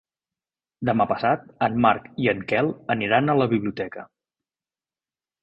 Demà passat en Marc i en Quel aniran a la biblioteca.